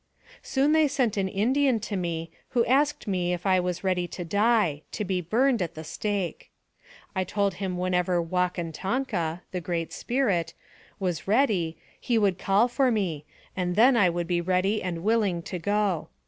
Soon they sent an Indian to me, who asked me if I was ready to die to be burned at the stake. I told him whenever Wakon Tonka (the Great Spirit) was ready, he would call for me, and then I would be ready and willing to go.